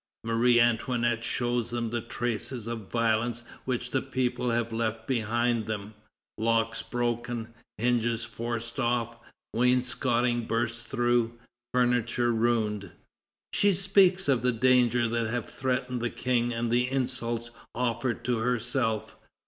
Marie Antoinette shows them the traces of violence which the people have left behind them, locks broken, hinges forced off, wainscoting burst through, furniture ruined. She speaks of the dangers that have threatened the King and the insults offered to herself.